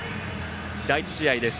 第１試合です。